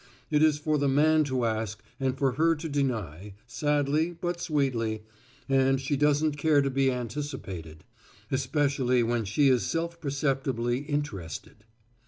It is for the man to ask and for her to deny, sadly but sweetly and she doesn't care to be anticipated. Especially when she is self perceptibly interested.